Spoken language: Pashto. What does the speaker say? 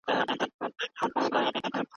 ناروغ خاوند هم له ميرمنو سره په عدل مکلف دی.